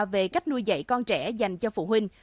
về cách nuôi dạy con trẻ dành cho phụ huynh